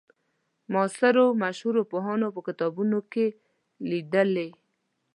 معاصرو مشهورو پوهانو په کتابونو کې لیدلې.